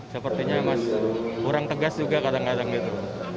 sepertinya mas kurang tegas juga kadang kadang gitu